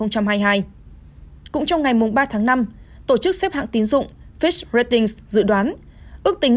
cũng trong ngày ba tháng năm tổ chức xếp hạng tín dụng fish ratings dự đoán ước tính